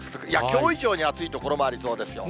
きょう以上に暑い所もありそうですよ。